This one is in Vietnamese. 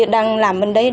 đang làm bên đấy